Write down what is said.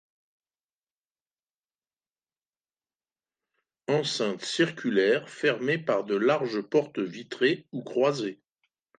Enceinte circulaire fermée par de larges portes vitrées ou croisées.